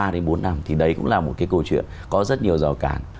ba đến bốn năm thì đấy cũng là một cái câu chuyện có rất nhiều rào cản